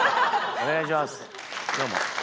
お願いします。